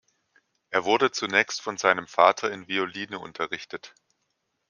Er wurde zunächst von seinem Vater in Violine unterrichtet.